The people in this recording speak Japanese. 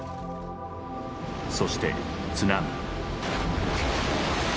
そして津波。